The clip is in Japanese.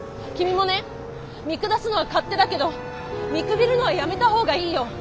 君もね見下すのは勝手だけど見くびるのはやめた方がいいよ。